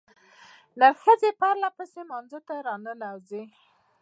نرو ښځې پرلپسې لمانځه ته راننوځي.